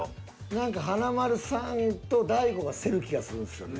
何か華丸さんと大悟が競る気がするんですよね。